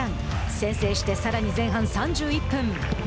先制して、さらに前半３１分。